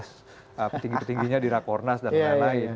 petinggi petingginya di rakornas dan lain lain